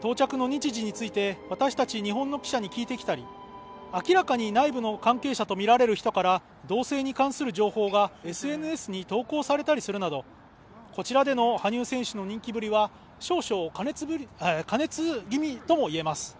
到着の日時について、私たち日本の記者に聞いてきたり、明らかに内部の関係者とみられる人が、動静に関する情報がＳＮＳに投稿されたりするなどこちらでの羽生選手の人気ぶりは少々過熱気味とも言えます。